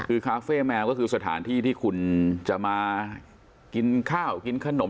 คือคาเฟ่แมวก็คือสถานที่ที่คุณจะมากินข้าวกินขนม